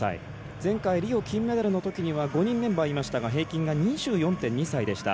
前回、リオ金メダルの時には５人メンバーいましたが平均が２４．２歳でした。